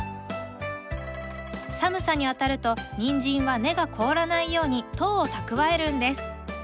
寒さにあたるとニンジンは根が凍らないように糖を蓄えるんです。